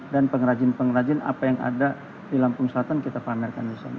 dan pengrajin pengrajin apa yang ada di lampung selatan kita pamerkan di sana